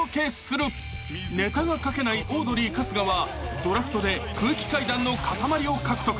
［ネタが書けないオードリー春日はドラフトで空気階段のかたまりを獲得］